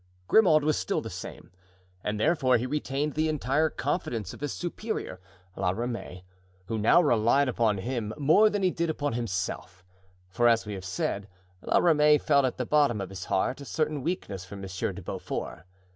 Grimaud was still the same, and therefore he retained the entire confidence of his superior, La Ramee, who now relied upon him more than he did upon himself, for, as we have said, La Ramee felt at the bottom of his heart a certain weakness for Monsieur de Beaufort.